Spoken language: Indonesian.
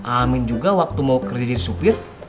amin juga waktu mau kerja jadi supir